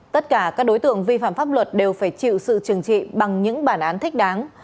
tất cả các đối tượng vi phạm pháp luật đều phải chịu sự trừng trị bằng những bản án thích đáng